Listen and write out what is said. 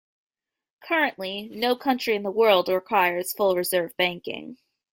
Currently, no country in the world requires full-reserve banking.